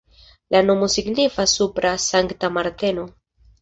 La nomo signifas supra Sankta Marteno.